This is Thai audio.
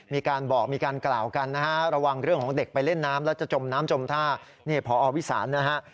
มีการบอกมีการกล่าวกันนะฮะระวังเรื่องของเด็กไปเล่นน้ำแล้วจะจมน้ำจมท่านี่พอวิสานนะฮะ